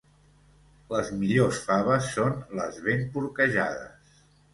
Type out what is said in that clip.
Les millors faves són les ben porquejades.